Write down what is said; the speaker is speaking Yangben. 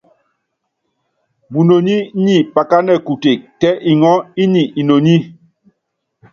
Munoní nyi pakánɛ kutek, tɛ iŋɔɔ́ inyi inoní.